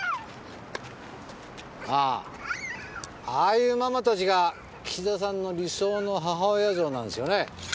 あぁああいうママたちが岸田さんの理想の母親像なんですよね？